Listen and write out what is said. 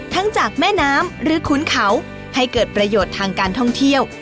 จากแม่น้ำหรือขุนเขาให้เกิดประโยชน์ทางการท่องเที่ยว